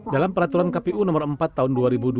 dalam peraturan kpu nomor empat tahun dua ribu dua puluh